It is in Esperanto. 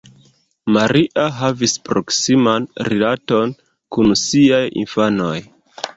Maria havis proksiman rilaton kun siaj infanoj.